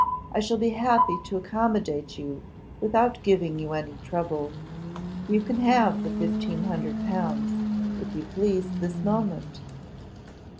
I shall be happy to accommodate you without giving you any trouble. You can have the 1,500L., if you please, this moment.